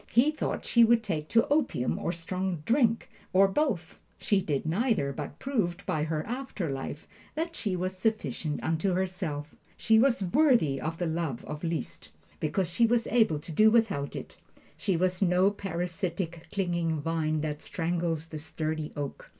He thought she would take to opium or strong drink, or both. She did neither, but proved, by her after life, that she was sufficient unto herself. She was worthy of the love of Liszt, because she was able to do without it. She was no parasitic, clinging vine that strangles the sturdy oak.